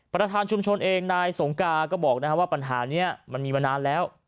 ประธานชุมชนเองนายสงกาก็บอกว่าปัญหานี้มันมีมานานแล้ว